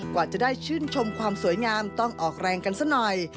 กว่าจะได้ชื่นชมความสวยงามต้องออกแรงกันซะหน่อย